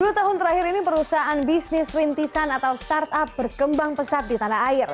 dua tahun terakhir ini perusahaan bisnis rintisan atau startup berkembang pesat di tanah air